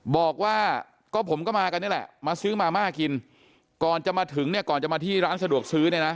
บอกว่าก็ผมก็มากันนี่แหละมาซื้อมาม่ากินก่อนจะมาถึงเนี่ยก่อนจะมาที่ร้านสะดวกซื้อเนี่ยนะ